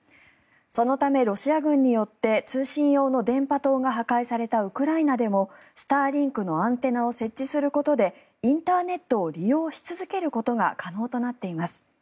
そのため、ロシア軍によって通信用の電波塔が破壊されたウクライナでもスターリンクのアンテナを設置することでインターネットを利用し続けることが可能となっています。